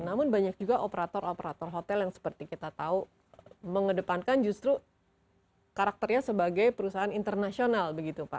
namun banyak juga operator operator hotel yang seperti kita tahu mengedepankan justru karakternya sebagai perusahaan internasional begitu pak